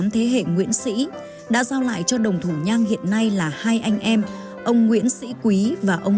tám thế hệ nguyễn sĩ đã giao lại cho đồng thủ nhang hiện nay là hai anh em ông nguyễn sĩ quý và ông